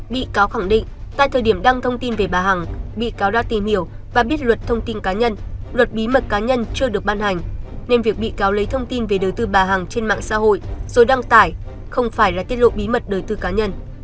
bị cáo khẳng định tại thời điểm đăng thông tin về bà hằng bị cáo đã tìm hiểu và biết luật thông tin cá nhân luật bí mật cá nhân chưa được ban hành nên việc bị cáo lấy thông tin về đầu tư bà hằng trên mạng xã hội rồi đăng tải không phải là tiết lộ bí mật đời tư cá nhân